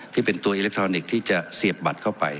ที่เป็นตัวอิเล็กทรอนิกส์ที่จะเสียบบัตรเข้าไป